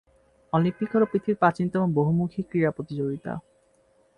Olympic হল পৃথিবীর প্রাচীনতম বহুমুখী ক্রীড়া প্রতিযোগিতা।